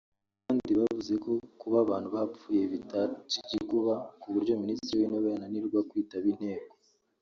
Abandi bavuze ko kuba abantu bapfuye bitaca igikuba ku buryo Minisitiri w’Intebe ananirwa kwitaba inteko